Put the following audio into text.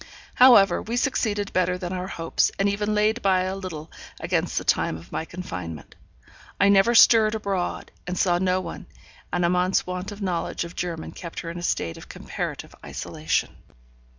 However, we succeeded better than our hopes, and even laid by a little against the time of my confinement. I never stirred abroad, and saw no one, and Amante's want of knowledge of German kept her in a state of comparative isolation.